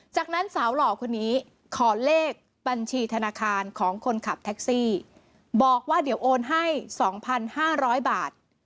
จากนั้นสาวหล่อคนนี้ขอเลขบัญชีธนาคารของคนขับแท็กซี่บอกว่าเดี๋ยวโอนให้๒๕๐๐บาท